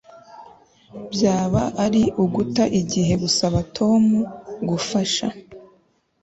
Byaba ari uguta igihe gusaba Tom gufasha